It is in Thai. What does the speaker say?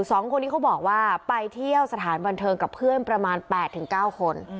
สองคนนี้เขาบอกว่าไปเที่ยวสถานบันเทิงกับเพื่อนประมาณ๘๙คน